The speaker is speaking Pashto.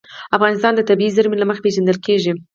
افغانستان د طبیعي زیرمې له مخې پېژندل کېږي.